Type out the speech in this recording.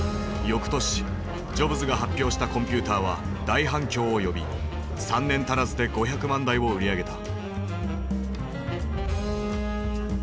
翌年ジョブズが発表したコンピューターは大反響を呼び３年足らずで５００万台を売り上げた。